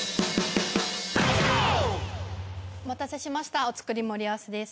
お待たせしましたお造り盛り合わせです。